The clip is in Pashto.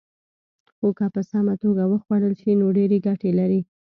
خو که په سمه توګه وخوړل شي، نو ډېرې ګټې لري.